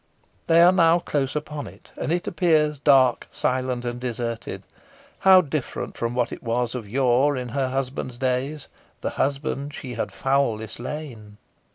They are now close upon it, and it appears dark, silent, and deserted. How different from what it was of yore in her husband's days the husband she had foully slain!